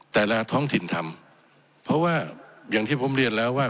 แต่ละท้องถิ่นทำเพราะว่าอย่างที่ผมเรียนแล้วว่า